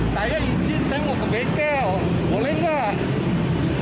saya izin saya mau ke bengkel boleh nggak